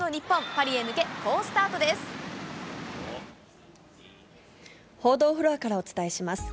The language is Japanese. パリへ向け、報道フロアからお伝えします。